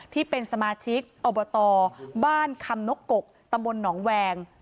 ที่เป็นสมาชิกอบตบ้านคำนกกตำบลหนองแวง